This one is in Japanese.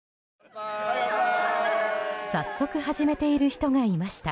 早速始めている人がいました。